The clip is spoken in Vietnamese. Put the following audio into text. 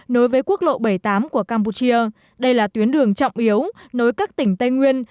nối với quốc lộ bảy mươi tám của campuchia đây là tuyến đường trọng yếu nối các tỉnh tây nguyên